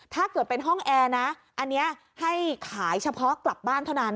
ถ้าเกิดเป็นห้องแอร์นะอันนี้ให้ขายเฉพาะกลับบ้านเท่านั้น